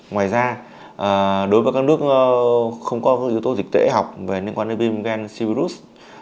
ngoài ra đối với các nước không có yếu tố dịch tễ học về liên quan đến viên viên gan sivirus